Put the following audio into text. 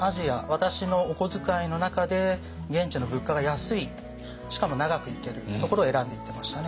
私のお小遣いの中で現地の物価が安いしかも長く行けるところを選んで行ってましたね。